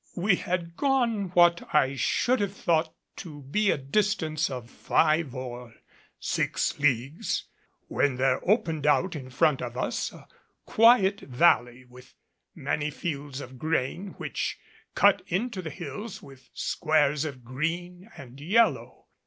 We had gone what I should have thought to be a distance of five or six leagues when there opened out in front of us a quiet valley with many fields of grain which cut into the hills with squares of green and yellow.